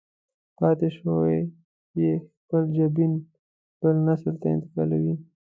پاتې شوی يې خپل جېن بل نسل ته انتقالوي.